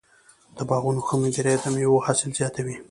د باغونو ښه مدیریت د مېوو حاصل زیاتوي.